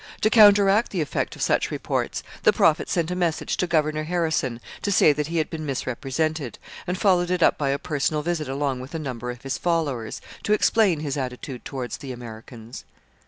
To counteract the effect of such reports the Prophet sent a message to Governor Harrison to say that he had been misrepresented, and followed it up by a personal visit along with a number of his followers, to explain his attitude towards the Americans.